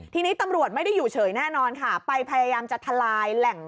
ทีนี้ตำรวจไม่ได้อยู่เฉยแน่นอนค่ะไปพยายามจะทลายแหล่ง